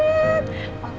wah keren banget